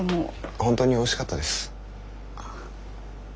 本当においしかったです。